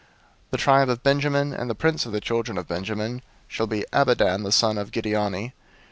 002:022 "The tribe of Benjamin: and the prince of the children of Benjamin shall be Abidan the son of Gideoni.